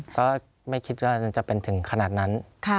ก็ไม่คิดว่าจะเป็นถึงขนาดนั้น